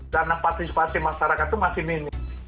karena partisipasi masyarakat itu masih minim